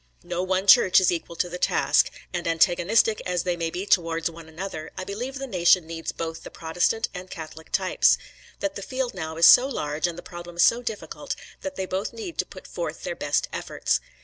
No one church is equal to the task, and antagonistic as they may be towards one another, I believe the nation needs both the Protestant and Catholic types; that the field now is so large and the problem so difficult, that they both need to put forth their best efforts.